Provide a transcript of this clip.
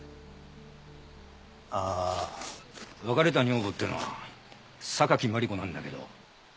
ああ別れた女房っていうのは榊マリコなんだけど。